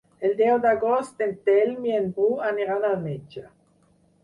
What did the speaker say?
El deu d'agost en Telm i en Bru aniran al metge.